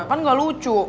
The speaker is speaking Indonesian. kan gak lucu